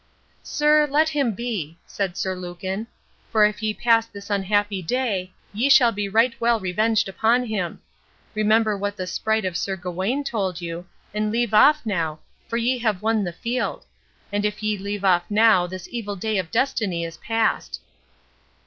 "Sir, let him be," said Sir Lucan; "for if ye pass this unhappy day, ye shall be right well revenged upon him. Remember what the sprite of Sir Gawain told you, and leave off now, for ye have won the field; and if ye leave off now this evil day of destiny is past."